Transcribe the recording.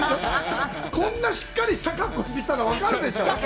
こんなしっかりしたかっこしてきたの、分かるでしょう。